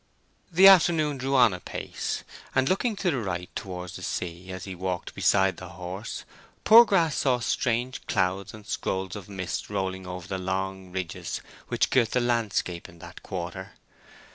The afternoon drew on apace, and, looking to the right towards the sea as he walked beside the horse, Poorgrass saw strange clouds and scrolls of mist rolling over the long ridges which girt the landscape in that quarter.